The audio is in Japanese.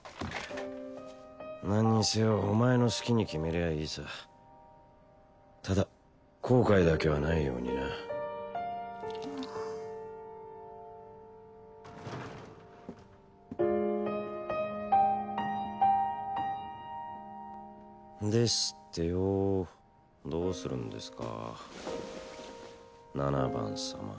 何にせよお前の好きに決めりゃいいさただ後悔だけはないようになですってよどうするんですか？